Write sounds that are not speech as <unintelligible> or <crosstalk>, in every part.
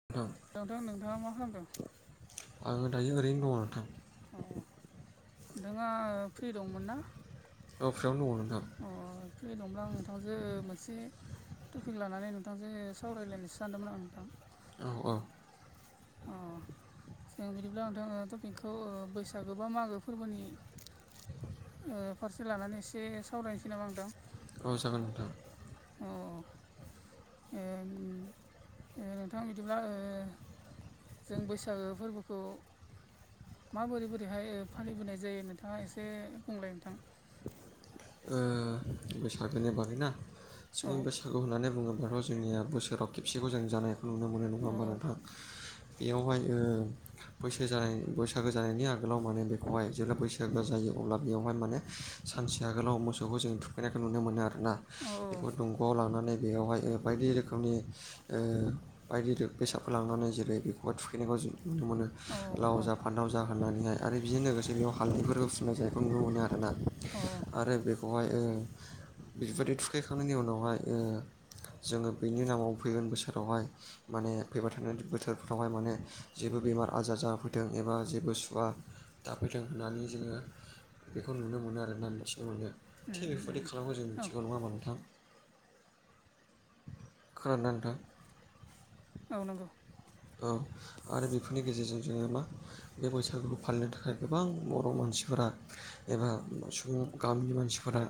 <inaudible> नोंथां नोंथाङा मा खालामदों आङो दायो ओरैनो दङ नोंथां अ नोंथाङा फ्रि दंमोन ना अ फ्रियावनो दङ नोंथां अ ए दंब्ला आं नोंथांजो मोनसे टपिक लानानै नोंथांजों सावरायलायनोसो सानदोंमोन आं नोंथां औ औ अ जों बिदिब्ला नोंथां ओ टपिकखौ ओ बैसागो बा मागो फोरबोनि ओ फारसे लानानै एसे सावरायनोसै नामा नोंथां औ जागोन नोंथां। ओ उम ओ नोंथां बिदिब्ला ओ जों बैसागो फोरबोखौ माबोरै बोरैहाय फालिबोनाय जायो नोंथाङा एसे बुंलाय नोंथां। ओ बैसागोनि बागैना औ जोङो बैसागु होननानै बुङोब्लााथ' जोंनिया बोसोराव खेबसेखौ जों जानाय- खौ नुनो मोनो। नङा औ होमबा नोंथां? बेयावहाय ओ बैसो जानाय बैसागो जानायनि आगोलाव माने बेखौहाय जेब्ला बैसागो जायो अब्ला बेयावहाय माने सानसे आगोलाव मोसौखौ जों थुखैनायखौ नुनो मोनो आरो ना औ बेखौ दं- आव लानानै बेयावहाय बायदि रोखोमनि ओ बायदि बेसादफोर लांनानै जेरै बेखौहाय थुखैनायखौ जों नुनो मोनो। औ लाव जा- फानथाव जा होननानैहाय आरो बेजों लोगोसे बेयाव हालदैफोरखौ फुननाय जायखौ नुनो मोनो आरोना औ आरो बे- खौहाय ओ बेबायदि थुखैखांनायनि उनावहाय ओ जोङो बेनि नामाव फैगोन बोसोरावहाय माने फैबाय थानाय बोथोरफ्रावहाय माने जेबो बेमार आजार जाफैथों एबा जेबो सुवा दाफैथों होननानै जोङो बेखौ नुनो मोनो आरोना मिथिनो मोनो। उम थिग बेफोरबायदि खालामो जों उम औ मिथिगौ नङा होमबा नोंथां? खोनादोंना नोंथां? औ नंगौ औ आरो बेफोरनि गेजेरजों जोङो मा बे बैसागुखौ फालिनो थाखाय गोबां बर' मानसिफोरा एबा सुबुं गामिनि मानसिफोरा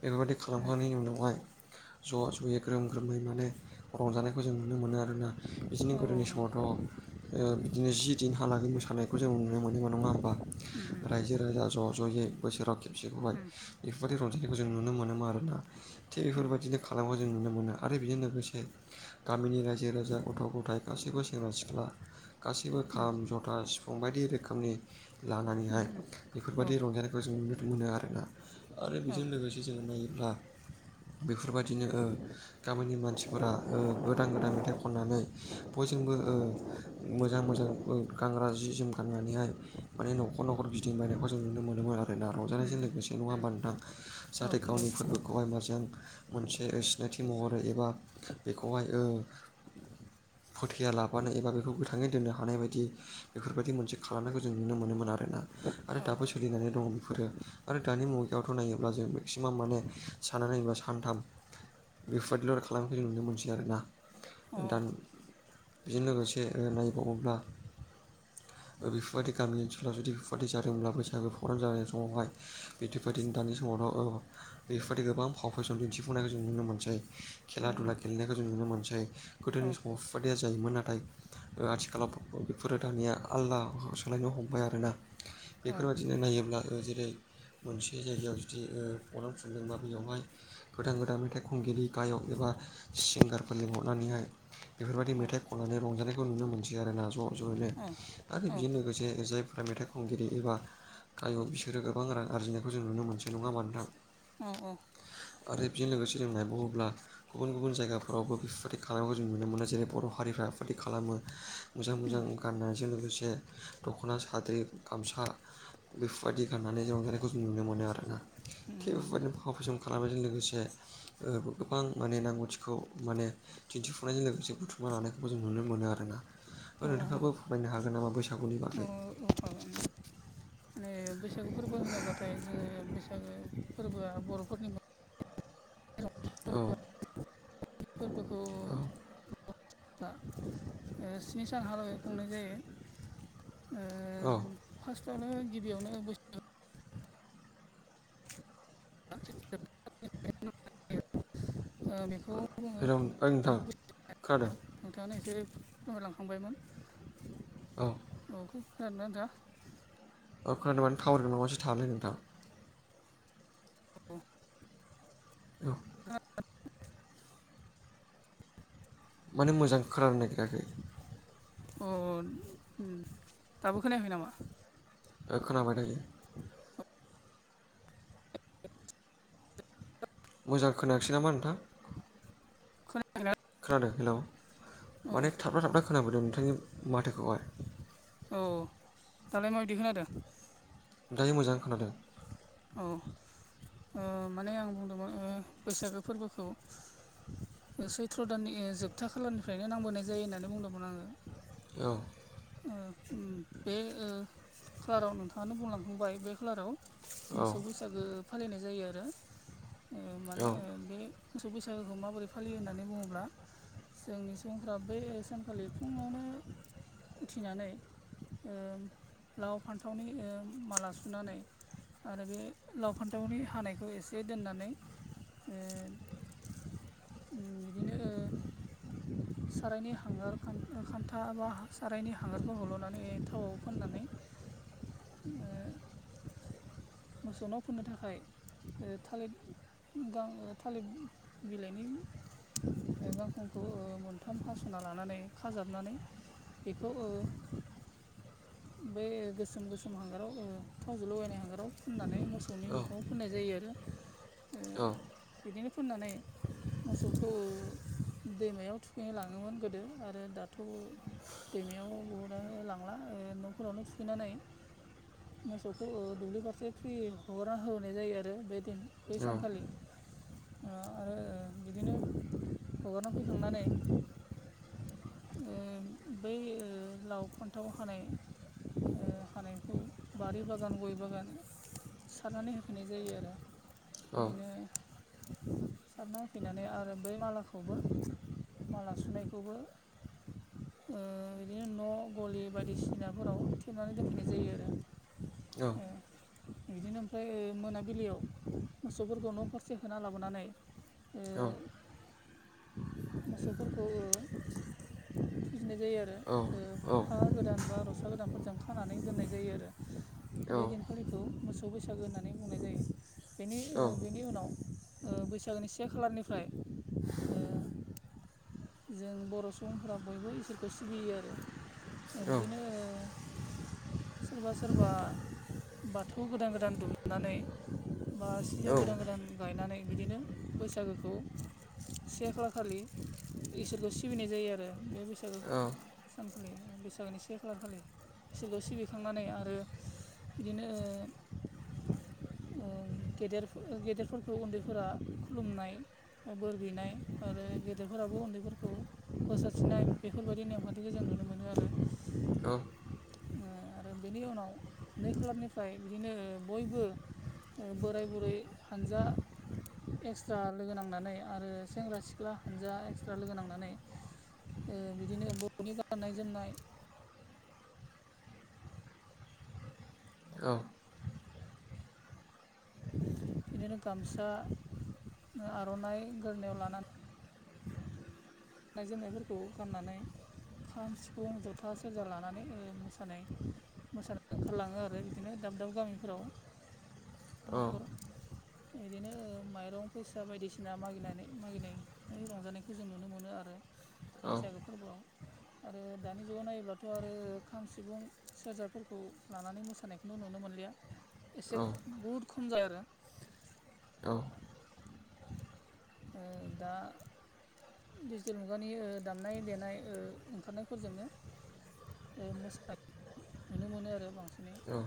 बेफोरबायदि खालामखांनायनि उनावहाय ज' ज'यै ग्रोम ग्रोमै माने रंजानायखौ जों नुनो मोनो आरो ना‌। बिदिनो औ औ गोदोनि नंगौ समावथ' ओ बिदिनो जि दिनहालागै मोसानायखौ जों नुनो मोनोमोन नङा होमबा। उम उम रायजो राजा ज' ज'यै बोसोराव खेबसेखौहाय उम बेफोरबायदि रंजानायखौ जों नुनो मोनोमोन आरो ना। थिग बेफोरबायदिनो खालामनायखौ जों नुनो मोनो आरो बेजों लोगोसे गामिनि रायजो राजा गथ'-गथ- थाय गासैबो सेंग्रा-सिख्ला गासैबो उम खाम-जथा सिफुं बायदि रोखोमनि उम लानानैहाय औ बेफोरबायदि रंजानायखौ जों नुनो मोनो आरो ना। आरो औ बेजों लोगोसे जोङो नायोब्ला बेफोरबायदिनो ओ गामिनि मानसिफोरा ओ गोदान-गोदान मेथाइ खननानै बयजोंबो ओ मोजां मोजां ओ गानग्रा जि जोम गाननानैहाय माने न'खर न'खर गिदिं बायनायखौ जों नुनो मोनोमोन आरो ना उम रंजानायजों उम लोगोसे नङा होमबा नोंथां। औ नंगौ औ उम औ जाहाथे औ गावनि फोरबोखौहाय मोजां मोनसे सिनायथि महरै एबा बेखौहाय ओ फोथाया लाबानो एबा बेखौ गोथाङै दोननो हानाय बायदि बेफोरबायदि मोनसे खालामनायखौ जों नुनो मोनोमोन आरो ना। आरो औ दाबो सोलिनानै दङ बेफोरो। आरो दानि मुगायावथ' नायोब्ला जों मेक्सिमाम माने सानना नायोब्ला सानथाम बेफोरबायदिल' आरो खालामनायखौ जों नुनो मोनसै आरो ना औ नोंथां बेजों लोगोसे ओ नायबावोब्ला बेफोरबायदि गामि ओनसोलाव जुदि बेफोरबायदि जादोंब्ला बैसागु प्रग्राम जानाय समावहाय बेफोरबायदिनो दानि समावथ' औ बेफोरबायदि गोबां फाव फेसन दिन्थिफुंनायखौ जों नुनो मोनसै खेला दुला गेलेनायखौ जों नुनो मोनसै। गोदोनि उम समाव बेफोरबादिया जायोमोन नाथाय ओ आथिखालाव बेफोरो दानिया आलदा सोलायनो हमबाय आरोना बेफोरबायदिनो नायोब्ला जेरै मोनसे जायगायाव जुदि फग्राम खुदोंबा बेयावहाय गोदान गोदान मेथाइ खनगिरि गायक एबा सिंगारफोर लिंहरनानैहाय बेफोरबायदि मेथाइ खननानै रंजानायखौ नुनो मोनसै आरोना ज' ज'नो आरो बेजों लोगोसे जाय फोर मेथाइ खनगिरि एबा गायक बिसोरो गोबां रां आरजिनायखौ जों नुनो मोनसै नङा होमबा नोंथां औ औ आरो बेजों लोगोसे बुंङोयब्ला गुबुन गुबुन जायगाफोरावबो बेफोरबायदि खालामनायखौ जों नुनो मोनो। जेरै बर' हारिफ्रा बेफोरबायदि खालामो मोजां मोजां गाननायजों लोगोसे दख'ना साद्रि गामसा बेफोरबायदि गाननानै ज रंजानायखौ जों नुनो मोनो आरो ना उम थिग औ औ नंगौ बेफोरबायदिनो फाव फेसन खालामनायजों लोगोसे ओ गोबां माने रोंगौथिखौ माने दिन्थिफुंनायजों लोगोसे बुथुमा लानायखौबो जों नुनो मोनो आरोना। नोंथाङाबो फरायनो हागोन नामा बैसागु <unintelligible> बैसागो फोरबो होनोब्लाथाय जोंङो बैसागो फोरबोआ बर'फोरनि मा औ फोरबोखौ औ बा स्नि सान हालागै खुंनाय जायो। ओ औ फार्स्टआवनो गिबियावनो <unintelligible> ओ बेखौ हेलौ ओयै नोंथां खोनादों नोंथांङानो एसे फोरमायलांखांबायमोन औ औ खोनादों ना नोंथाङा? <unintelligible> औ माने मोजां खोनानो नागिराखै अ दाबो खोनायाखै नामा? ओ खोनाबाय दायो मोजां खोनायाखिसै नामा नोंथां <unintelligible> खोनादों हेलौ औ माने थाब्रा थाबथ्रा खोनाबोदों नोंथांनि माथोखौहाय औ दालाय माबायदि खोनादों? दायो मोजां खोनादों। अ ओ माने आं बुंदोंमोन ओ बैसागो फोरबोखौ। ओ सैथ्र' दाननि ओ जोबथा खालारनिफ्रायनो नांबोनाय जायो होननानै बुंदोंमोन आंङो। औ। ओ ओम बे ओ खालाराव नोंथाङानो बुंलांखांबाय बे खालाराव। औ मोसौ बैसागो फालिनाय जायो आरो ओ औ माने ओ बे। मोसौ बैसागोखौ माबोरै फालियो होननानै बुङोब्ला। जोंनि सुबुंफ्रा बे सानखालि फुङावनो। उथिनानै ओ लाव फान्थावनि ओ माला सुनानै। आरो बे लाव फान्थावनि हानायखौ एसे दोननानै ओ। उम बिदिनो ओ सारायनि हांगार खान ओ खान्था बा सारायनि हांगारखौ हल'नानै थावआव फोननानै ओ मोसौ नाव फोननो थाखाय थालिर गा थालिर बिलाइनि ओ गांखंखौ ओ मोनथाम हास'ना लानानै खाजाबनानै। बेखौ ओ। बे गोसोम गोसोम हांगाराव ओ थावजों लगायनाय हांगाराव फोननानै मोसौनि बेखुं फोननाय जायो आरो। ओ औ। बिदिनो फोननानै। मोसौखौ दैमायाव थुखैनो लाङोमोन गोदो आरो दाथ'। दैमायाव बहुदआनो लांला ओ न'फोरावनो थुखैनानै। <inaudible> मोसौखौ ओ दुब्लि फारसे फ्रि हगारना होबोनाय जायो आरो बे दिन बै औ सानखालि। ओ आरो बिदिनो हगारना फैखांनानै। ओ बै ओ लाव फान्थाव हानाय। ओ हानायखौ बारि बागान गय बागान। सारनानै होफैनाय जायो आरो औ बिदिनो। सारना होफैनानै आरो बै मालाखौबो। माला सुनायखौबो ओ बिदिनो न' गलि बायदिसिना। न'फोराव थेबनानै दोनफैनाय जायो आरो। औ। ओ बिदिनो ओमफ्राय ओ मोनाबिलियाव मोसौफोरखौ न' फरसे होना लाबोनानै। ओ औ। मोसौफोरखौ ओ फुजिनाय जायो आरो। ओ औ हा गोदान बा रसा गोदानफोरजों खानानै दोननाय जायो आरो बे दिन। खालिखौ मोसौ बैसागो होननानै बुंनाय जायो बेनि ओ बेनि उनाव। ओ बैसागोनि से खालारनिफ्राय। ओ। जों बर' सुबुंफोरा बयबो इसोरखौ सिबियो आरो ओ बिदिनो। सोरबा सोरबा बाथौ गोदान गोदान दुमनानै। बा सिसौ गोदान गोदान। गायनानै बिदिनो बैसागोखौ से खाला खालि। इसोरखौ सिबिनाय जायो आरो बे बैसागो सानखालि बैसागोनि से खालारखालि इसोरखौ सिबिखांनानै आरो। बिदिनो ओ। ओ गेदेर ओ गेदेरफोरखौ उन्दैफोरा खुलुमनाय। ओ बोर बिनाय आरो गेदेर। फोराबो उन्दैफोरखौ बोर सारसिनाय बेफोरबायदि नेमखान्थिखौ जों नुनो मोनो आरो। औ। ओ आरो बेनि उनाव नै खालारनिफ्राय बिदिनो बयबो। बोराय बुरै हानजा एक्सट्रा लोगो नांनानै आरो सेंग्रा सिख्ला। हानजा एक्सट्रा लोगो नांनानै बिदिनो बर'नि गाननाय जोमनाय। औ बिदिनो गामसा आर'नाइ गोरोनायाव लानानै गाननाय जोमनायफोरखौ गाननानै। खाम सिफुं जथा सेरजा लानानै मोसानाय मोसानाय। ओंखारलाङो आरो बिदिनो दाब दाब गामिफोराव। न'खर इदिनो ओ माइरं फैसा बायदिसिना मागिनानै मागिनाय। <unintelligible> रंजानायखौ जों नुनो मोनो आरो बैसागो फोरबोआव। आरो दानि जुगाव नायोब्लाथ' आरो खाम सिफुं सेरजाफोरखौ लानानै मोसानायखौ नुनो मोनलिया <inaudible> एसे बहुद खम जा आरो औ ओ दा डिजिटेल मुगानि दामनाय देनाय ओंखारनायफोरजोंनो। ओ मोसा नुनो मोनो आरो बांसिनै। औ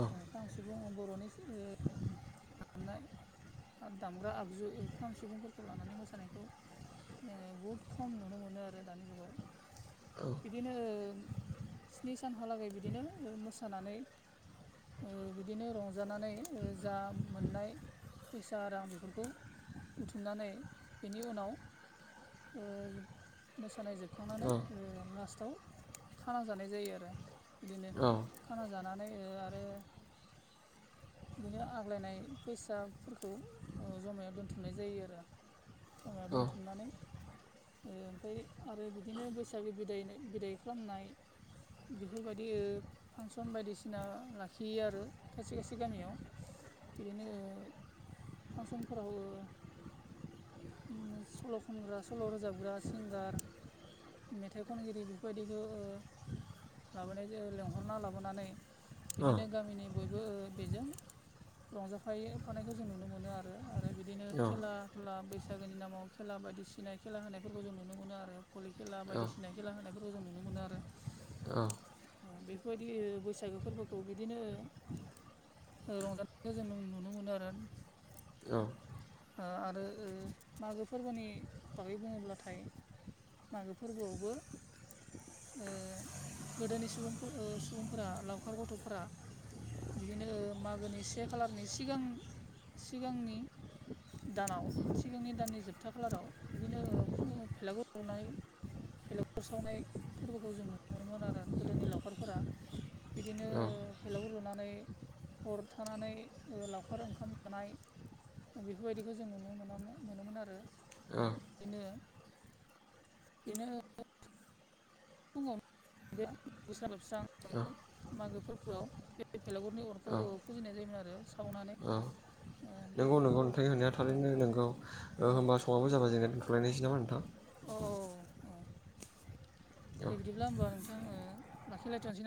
औ। ओ खाम सिफुं बर'नि जे दामनाय। दामग्रा आगजु खाम सिफुं फोरखौ लानानै मोसानायखौ जोङो बहुद खम नुनो मोनो आरो दानि जुगाव। बिदिनो स्नि सानहालागै बिदिनो मोसानानै ओ बिदिनो रंजानानै जा मोननाय फैसा रां बेफोरखौ बुथुमनानै बेनि उनाव मोसानाय जोबखांनानै लास्टआव खाना जानाय जायो आरो बिदिनो खाना जानानै ओ आरो <inaudible> बिदिनो आग्लायनाय फैसाफोरखौ जमायाव दोनथुमनाय जायो आरो। समायाव औ दोनथुमनानै ओमफ्राय आरो बिदिनो बैसागो बिदायनाय बिदायखौ खालामनाय बेफोरबायदि ओ फांसन बायदिसिना लाखियो आरो खायसे खायसे गामियाव। बिदिनो ओ फांसनफोराव ओ सल' खनग्रा सल' रोजाबग्रा सिंगार मेथाइ खनगिरि बे बेबायदिखौ लाबोनाय लेंंहरना लाबोनानै औ औ बिदिनो गामिनि बयबो बेजों रंजाफायो फानायखौ जों नुनो मोनो आरो। आरो बिदिनो खेला खुला बैसागोनि नामाव खेला बायदिसिना खेला होनायफोरखौ जों नुनो मोनो आरो भलि खेला औ बायदिसिना खेला होनायफोरखौ जों नुनो मोनो आरो। औ। बेफोरबायदि बैसागो फोरबोखौ बिदिनो रंजानायखौ जों नुनो मोनो आरो। औ। ओ आरो मागो फोरबोनि बागै बुङोब्लाथाय मागो फोरबोआवबो गोदोनि सुबुंफोर सुबुंफोरा लावखार गथ'फोरा बिदिनो मागोनि से खालारनि सिगां- सिगांनि दानाव सिगांनि दाननि जोबथा खालाराव बिदिनो फेलागुर लुनाय <unintelligible> सावनाय फोरबोखौ जों नुनमोन आरो गोदोनि लावखारफोरा बिदिनो <unintelligible> फेलाव रुनानै हर थानानै लावखार ओंखाम जानाय। बेफोरबायदिखौ जों नुनो मोनामोन मोनोमोन आरो। बिनो बिनो फुङाव बे <unintelligible> लोबस्रां <unintelligible> मागो फोरबोआव बेलागुरनि अरखौ फुजिनाय जायोमोन आरो। सावनानै अ ओ बे नोंगौ नोंगौ भेलागुर अर नोंथांनि होननाया थारैनो नोंगौ ओ होमबा समाबो जाबाय दुथलायनायनोसै नामा नोंथां। अ औ। औ दे बिदिब्ला होमबा नोंथां लाखिलायथ'सै ना